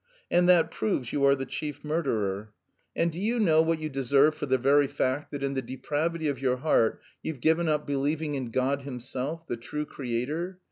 And that proves you are the chief murderer. And do you know what you deserve for the very fact that in the depravity of your heart you've given up believing in God Himself, the true Creator?